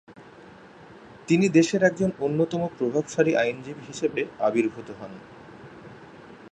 তিনি দেশের একজন অন্যতম প্রভাবশালী আইনজীবী হিসেবে আবির্ভূত হন।